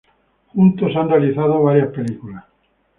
Juntos han realizado varias películas.